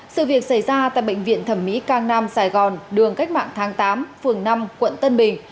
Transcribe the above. sự việc xảy ra tại bệnh viện thẩm mỹ cang nam sài gòn đường cách mạng tháng tám phường năm quận tân bình